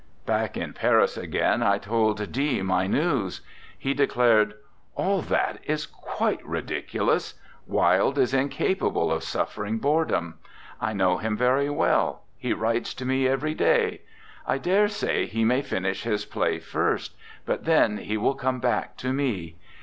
Back in Paris again, I told D my news. He declared: "All that is quite ridiculous. Wilde is incapable of suffering boredom. I know him very well; he writes to me every day. I dare say he may finish his play first, but then he will come back to me.